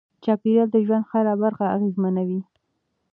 چاپیریال د ژوند هره برخه اغېزمنوي.